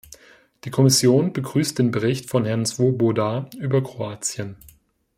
Die Kommission begrüßt den Bericht von Herrn Swoboda über Kroatien.